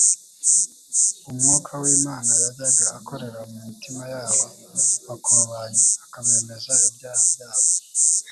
Umwuka w'Imana yajyaga akorera mu mitima y'abo bakobanyi akabemeza ibyaha byabo;